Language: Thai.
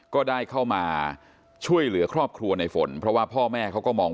ก็ได้เข้ามาช่วยเหลือครอบครัวในฝนเพราะว่าพ่อแม่เขาก็มอง